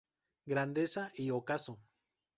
Grandeza y Ocaso.